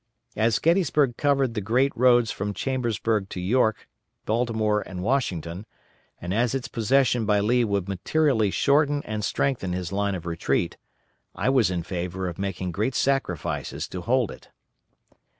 As Gettysburg covered the great roads from Chambersburg to York, Baltimore, and Washington, and as its possession by Lee would materially shorten and strengthen his line of retreat, I was in favor of making great sacrifices to hold it.